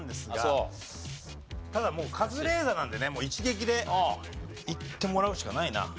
ただもうカズレーザーなんでね一撃でいってもらうしかないな。